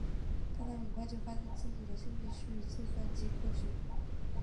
但他很快就发现自己的兴趣是计算机科学。